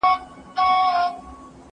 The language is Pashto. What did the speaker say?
هغه څوک چي مېوې وچوي قوي وي،